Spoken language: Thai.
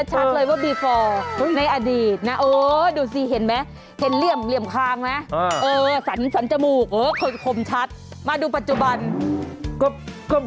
ตอนนี้ก็ยังคบกันอยู่นะคะแล้วเดี๋ยวจะให้ดูหน้าปัจจุบันนะคะ